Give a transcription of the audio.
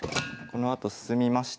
このあと進みまして。